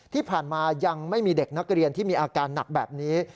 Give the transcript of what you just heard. ที่ผ่านมายังไม่มีเด็กนักเรียนที่มีอาการหนักแบบนี้